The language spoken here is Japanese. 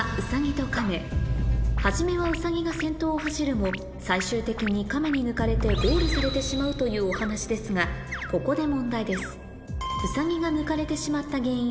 初めはうさぎが先頭を走るも最終的にかめに抜かれてゴールされてしまうというお話ですがここで問題です